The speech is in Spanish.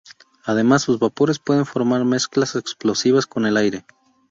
Además, sus vapores pueden formar mezclas explosivas con el aire.